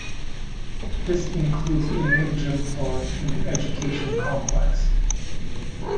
This includes a new gym floor in the Education Complex.